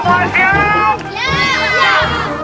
kalian semua siap